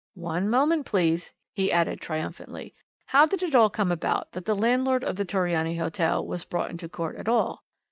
"One moment, please," he added triumphantly. "How did it come about that the landlord of the Torriani Hotel was brought into court at all?